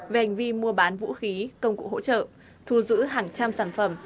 về hành vi mua bán vũ khí công cụ hỗ trợ thu giữ hàng trăm sản phẩm